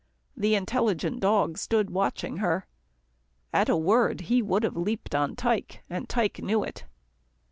The intelligent dog stood watching her. At a word, he would have leaped on Tike, and Tike knew it.